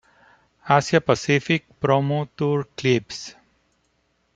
Asia Pacific Promo Tour Clips